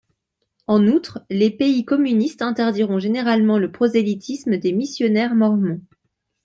En outre, les pays communistes interdiront généralement le prosélytisme des missionnaires mormons.